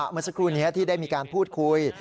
เมื่อสักครู่นี้ที่ได้มีการพูดคุย